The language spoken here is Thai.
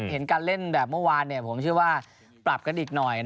เห็นการเล่นแบบเมื่อวานผมเชื่อว่าปรับกันอีกหน่อย